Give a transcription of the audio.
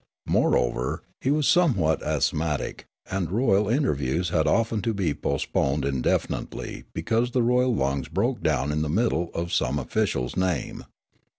Moreover, he was somewhat asthmatic, and royal in terviews had often to be postponed indefinitely because the royal lungs broke down in the middle of some official's name.